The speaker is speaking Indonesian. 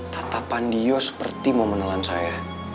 tata pandio seperti mau menelan saya